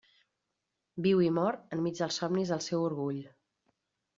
Viu i mor enmig dels somnis del seu orgull.